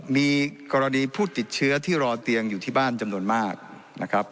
มีกรณีผู้ติดเชื้อที่รอเตียงอยู่ที่บ้านจำนวนมากนะครับ